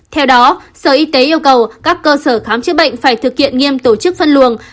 theo đó sở y tế yêu cầu các cơ sở khám chữa bệnh phải thực hiện nghiêm tổ chức phân luồng